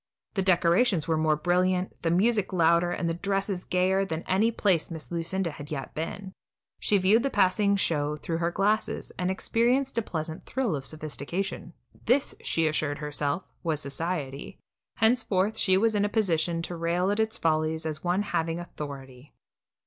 The decorations were more brilliant, the music louder, and the dresses gayer, than at any place Miss Lucinda had yet been. She viewed the passing show through her glasses, and experienced a pleasant thrill of sophistication. This, she assured herself, was society; henceforth she was in a position to rail at its follies as one having authority.